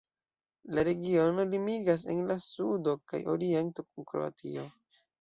La regiono limigas en la sudo kaj oriento kun Kroatio.